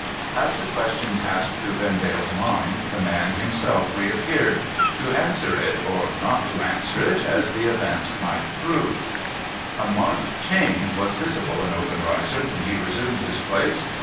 As the question passed through Vendale's mind, the man himself reappeared — to answer it, or not to answer it, as the event might prove. A marked change was visible in Obenreizer when he resumed his place.